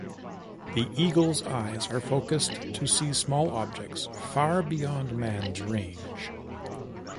The eagle's eyes are focused to see small objects far beyond man's range.